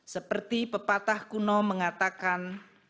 seperti pepatah kuno mengatakan